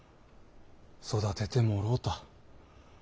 育ててもろうた。